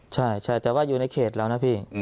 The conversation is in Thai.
ใช่แต่ว่าอยู่ในเขตเรานะพี่